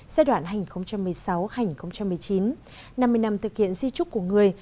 giai đoạn hành một mươi sáu hai nghìn một mươi chín năm mươi năm thực hiện di trúc của người